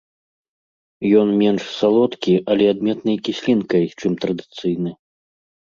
Ён менш салодкі, але адметнай кіслінкай, чым традыцыйны.